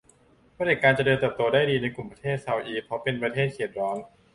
เผด็จการเจริญเติบโตได้ดีในกลุ่มประเทศเซาท์อีสต์เพราะเป็นประเทศเขตร้อน